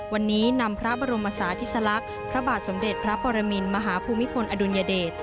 วันนี้นำพระบรมศาธิสลักษณ์พระบาทสมเด็จพระปรมินมหาภูมิพลอดุลยเดช